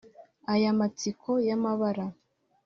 aya matsiko ya mabara,